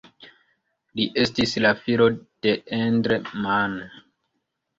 Li estis la filo de Endre Mann.